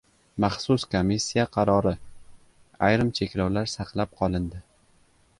Maxsus komissiya qarori: ayrim cheklovlar saqlab qolindi!